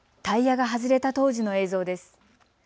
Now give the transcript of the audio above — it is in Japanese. タイヤが外れた当時の映像です。